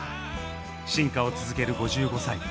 進化を続ける５５歳。